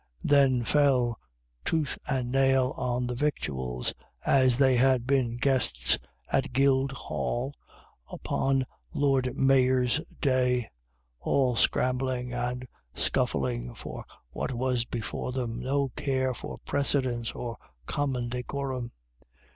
Then fell, tooth and nail, on the victuals, as they Had been guests at Guildhall upon Lord Mayor's day, All scrambling and scuffling for what was before 'em, No care for precedence or common decorum.